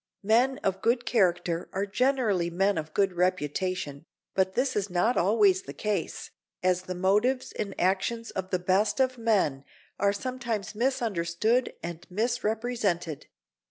Men of good character are generally men of good reputation, but this is not always the case, as the motives and actions of the best of men are sometimes misunderstood and misrepresented.